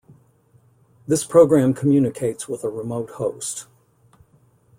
This program communicates with a remote host.